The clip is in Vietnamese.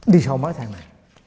đi sau mấy tháng này